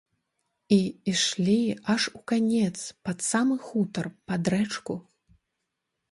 І ішлі аж у канец, пад самы хутар, пад рэчку.